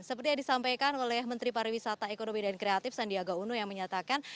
seperti yang disampaikan oleh menteri pariwisata ekonomi dan kreatif sandiaga uno yang menyatakan